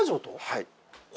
はい。